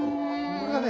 これがね